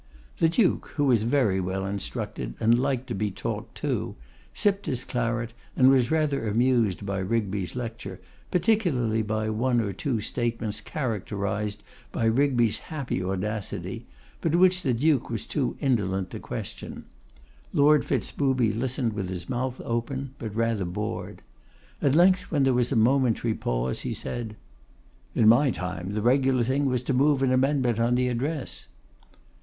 The Duke, who was well instructed and liked to be talked to, sipped his claret, and was rather amused by Rigby's lecture, particularly by one or two statements characterised by Rigby's happy audacity, but which the Duke was too indolent to question. Lord Fitz Booby listened with his mouth open, but rather bored. At length, when there was a momentary pause, he said: 'In my time, the regular thing was to move an amendment on the address.